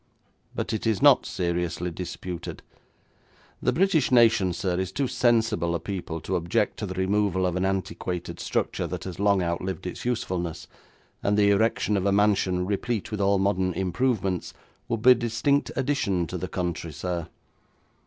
But it is not seriously disputed. The British nation, sir, is too sensible a people to object to the removal of an antiquated structure that has long outlived its usefulness, and the erection of a mansion replete with all modern improvements would be a distinct addition to the country, sir.